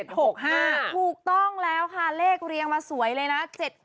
ถูกต้องแล้วค่ะเลขเรียงมาสวยเลยนะ